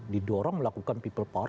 didorong melakukan people power